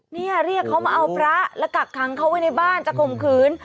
เนี่ยเรียกเขาเอาพระแล้วกักขังเข้าไปในบ้านจะคมคืน